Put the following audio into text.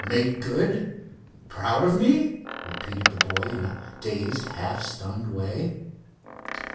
Made good! Proud of me?" repeated the boy in a dazed, half stunned way.